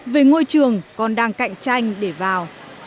về ngôi trường con đang cạnh tranh để vào